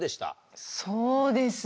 そうですね。